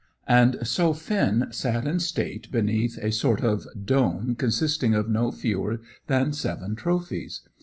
And so Finn sat in state beneath a sort of dome consisting of no fewer than seven trophies.